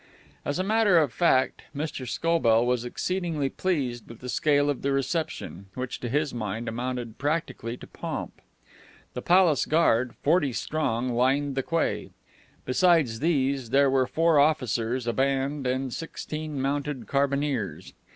As a matter of fact, Mr. Scobell was exceedingly pleased with the scale of the reception, which to his mind amounted practically to pomp. The Palace Guard, forty strong, lined the quay. Besides these, there were four officers, a band, and sixteen mounted carbineers.